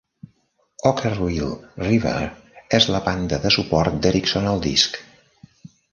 Okkervil River és la banda de suport d'Erikson al disc.